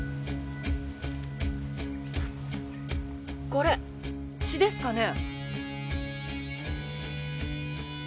これ血ですかね？